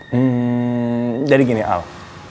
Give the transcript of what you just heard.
hmm jadi gini al